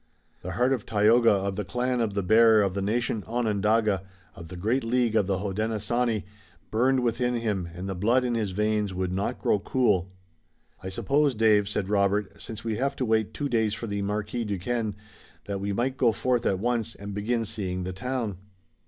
The heart of Tayoga of the clan of the Bear of the nation Onondaga, of the great League of the Hodenosaunee, burned within him and the blood in his veins would not grow cool. "I suppose, Dave," said Robert, "since we have to wait two days for the Marquis Duquesne, that we might go forth at once and begin seeing the town."